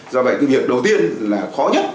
do vậy việc đầu tiên là khó nhất